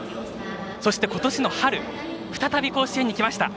そして今年の春再び甲子園に来ました。